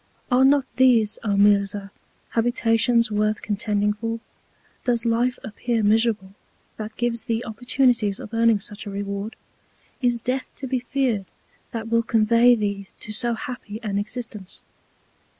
Are not these, O Mirzah, Habitations worth contending for? Does Life appear miserable, that gives thee Opportunities of earning such a Reward? Is Death to be feared, that will convey thee to so happy an Existence?